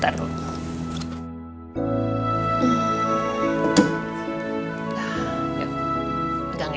ya simpen ya